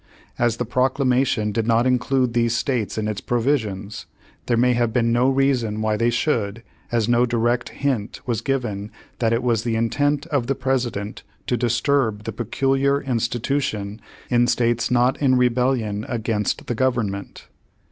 As the Proclamation did not include these states in its provisions, there may have been no reason why they should, as no direct hint was given that it was the intent of the President to disturb the "peculiar institution" in states not in rebellion against the Government.